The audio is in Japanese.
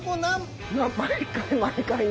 毎回毎回ね。